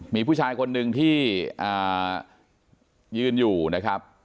มีผู้ชายคนหนึ่งที่ยืนอยู่นะครับ